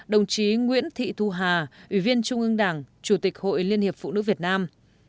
ba mươi sáu đồng chí nguyễn thị thu hà ủy viên trung ương đảng chủ tịch hội liên hiệp phụ nữ việt nam